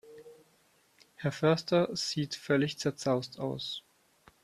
Herr Förster sieht völlig zerzaust aus.